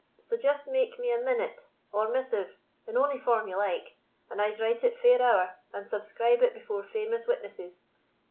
Sae just make me a minute, or missive, in ony form ye like, and I'se write it fair ower, and subscribe it before famous witnesses.